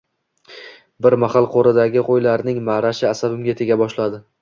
Bir mahal qo`radagi qo`ylarning ma`rashi asabimga tega boshladi